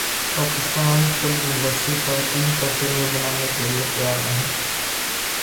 Pakistan film industry خواتین پر فلمیں بنانے کیلئے تیار نہیں